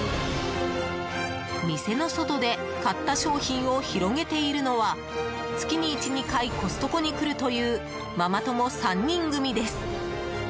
店の外で買った商品を広げているのは月に１２回コストコに来るというママ友３人組です。